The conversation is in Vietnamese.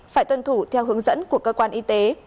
phải tuân thủ theo hướng dẫn của cơ quan y tế